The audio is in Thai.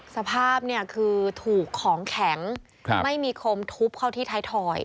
สภาพเนี่ยคือถูกของแข็งไม่มีคมทุบเข้าที่ไทยทอย